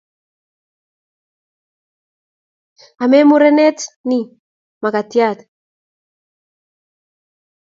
Ame murenet nii mkatiat